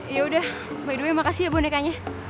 yaudah by the way makasih ya bonekanya